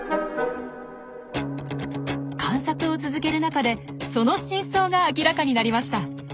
観察を続ける中でその真相が明らかになりました。